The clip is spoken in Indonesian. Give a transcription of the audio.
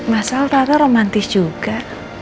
masal rada romantis juga